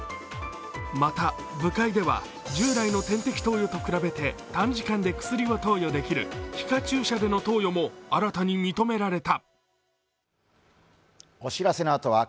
また、部会では従来の点滴投与と比べて短時間で薬を投与できる皮下注射での投与も新たに認められた。